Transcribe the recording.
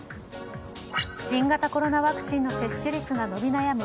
新型コロナワクチンの接種率が伸び悩む